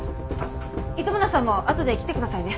糸村さんもあとで来てくださいね。